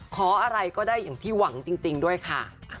ขออะไรก็ได้อย่างที่หวังจริงด้วยค่ะ